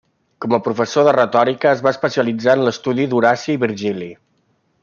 Com a professor de retòrica, es va especialitzar en l'estudi d'Horaci i Virgili.